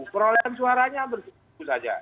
perolehan suaranya bersikup saja